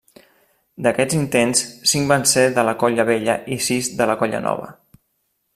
D'aquests intents cinc van ser de la Colla Vella i sis de la Colla Nova.